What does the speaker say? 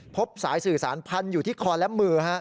พบสายสื่อสารพันอยู่ที่คอและมือ